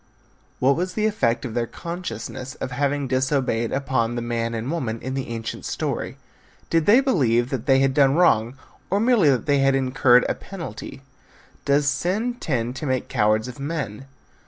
What was the effect of their consciousness of having disobeyed upon the man and woman in the ancient story? Did they believe that they had done wrong, or merely that they had incurred a penalty? Does sin tend to make cowards of men?